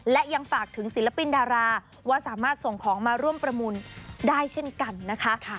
และยังฝากถึงศิลปินดาราว่าสามารถส่งของมาร่วมประมูลได้เช่นกันนะคะ